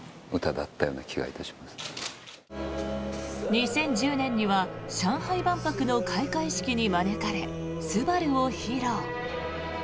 ２０１０年には上海万博の開会式に招かれ「昴−すばるー」を披露。